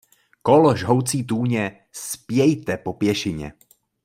Kol žhoucí tůně spějte po pěšině!